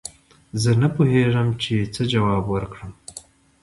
زه نه پوهېږم چې څه جواب ورکړم